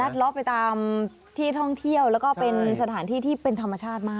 ล้อไปตามที่ท่องเที่ยวแล้วก็เป็นสถานที่ที่เป็นธรรมชาติมาก